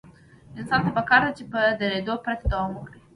انسان ته پکار ده چې په درېدو پرته دوام ورکړي.